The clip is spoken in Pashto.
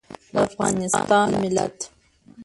د افغانستان ملت